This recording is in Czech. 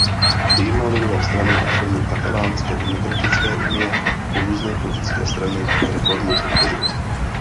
Vyjma Lidové strany a členů Katalánské demokratické unie různé politické strany reformu podpořily.